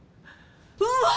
うわ！